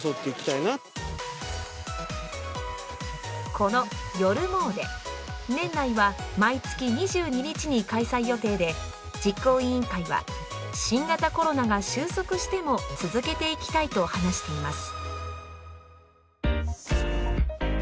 このＹＯＲＵＭＯ−ＤＥ、年内は毎月２２日に開催予定で、実行委員会は、新型コロナが収束しても続けていきたいと話しています。